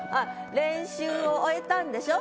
練習を終えたんでしょ？